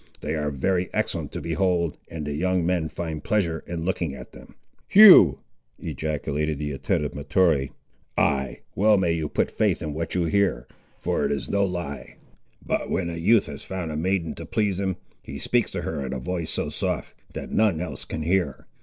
They are very excellent to behold, and the young men find pleasure in looking at them." "Hugh," ejaculated the attentive Mahtoree. "Ay, well may you put faith in what you hear, for it is no lie. But when a youth has found a maiden to please him, he speaks to her in a voice so soft, that none else can hear.